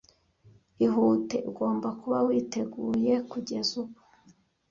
Ihute! Ugomba kuba witeguye kugeza ubu.